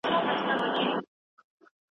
دا معلومات بې طرفه دي.